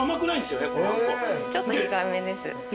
ちょっと控えめです。